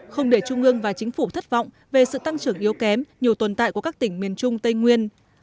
không để trung ương và chính phủ thất vọng về sự tăng trưởng yếu kém nhiều tồn tại của các tỉnh miền trung tây nguyên